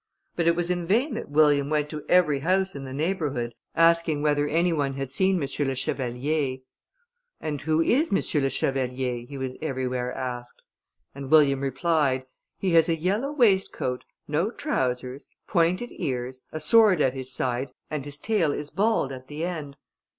But it was in vain that William went to every house in the neighbourhood, asking whether any one had seen M. le Chevalier. "And who is M. le Chevalier?" he was everywhere asked; and William replied, "He has a yellow waistcoat, no trousers, pointed ears, a sword at his side, and his tail is bald at the end."